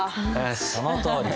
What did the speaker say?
そのとおり。